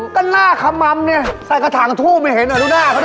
ก็หน้าขมัมเนี่ยใส่กระถางทูบไม่เห็นอ่ะดูหน้าเขาดิ